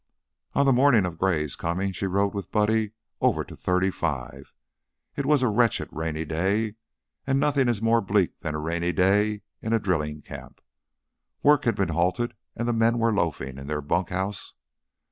On the morning of Gray's coming she rode with Buddy over to thirty five. It was a wretched, rainy day, and nothing is more bleak than a rainy day in a drilling camp. Work had been halted and the men were loafing in their bunk house.